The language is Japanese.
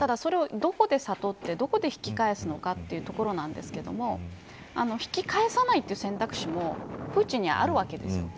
ただそれを、どこで悟ってどこで引き返すのかというところなんですが引き返さないという選択肢もプーチンにはあるわけです。